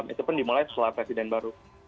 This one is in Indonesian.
itu pun dimulai setelah presiden baru